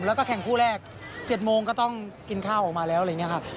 แล้วก็แข่งคู่แรก๗โมงก็ต้องกินข้าวออกมาแล้วอะไรอย่างนี้ครับ